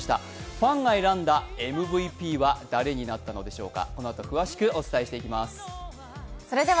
ファンが選んだＭＶＰは誰になったのでしょうか。